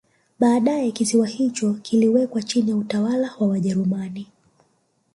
Baadae kisiwa hicho kiliwekwa chini ya utawala wa Wajerumani